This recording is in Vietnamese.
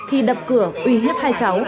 thì đập cửa uy hiếp hai cháu